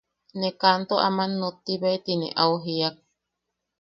Ne kanto aman nottibae ti ne au jiak.